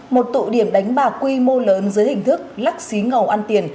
một tụ điểm đánh bạc quy mô lớn dưới hình thức lắc xí ngầu ăn tiền